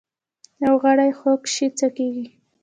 یو غړی خوږ شي څه کیږي؟